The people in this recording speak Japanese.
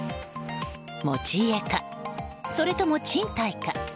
持ち家か、それとも賃貸か。